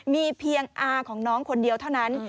มีเพียงอาของน้องคนเดียวเท่านั้น